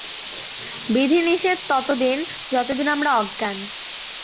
বিধিনিষেধ ততদিন, যতদিন আমরা অজ্ঞান।